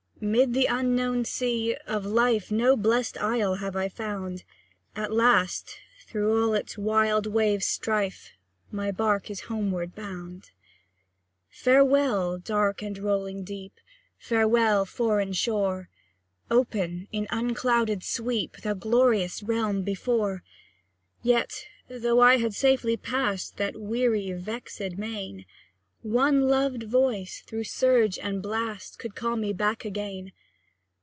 'Mid the unknown sea, of life I no blest isle have found; At last, through all its wild wave's strife, My bark is homeward bound. Farewell, dark and rolling deep! Farewell, foreign shore! Open, in unclouded sweep, Thou glorious realm before! Yet, though I had safely pass'd That weary, vexed main, One loved voice, through surge and blast Could call me back again.